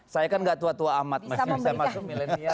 saya kan gak tua tua amat masih bisa masuk milenial